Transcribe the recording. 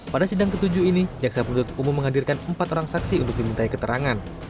pada sidang ke tujuh ini jaksa penduduk umum menghadirkan empat orang saksi untuk diminta keterangan